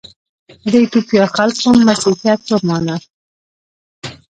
د ایتوپیا خلکو مسیحیت ومانه.